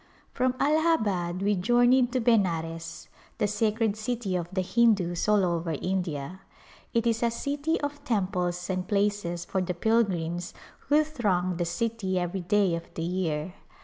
From Allahabad we journeyed to Benares, the sacred city of the Hindus all over India; it is a city of tem ples and places for the pilgrims who throng the city every day of the year.